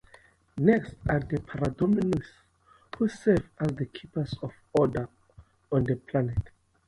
Next are the Parademons who serve as the keepers of order on the planet.